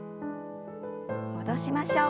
戻しましょう。